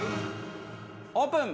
オープン！